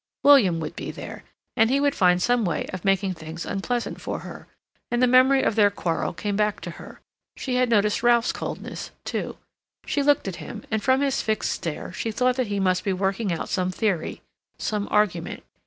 William would be there, and he would find some way of making things unpleasant for her, and the memory of their quarrel came back to her. She had noticed Ralph's coldness, too. She looked at him, and from his fixed stare she thought that he must be working out some theory, some argument.